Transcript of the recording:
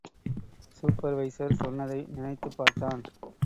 Supervisor சொன்னதை நினைத்துப் பார்த்தான்.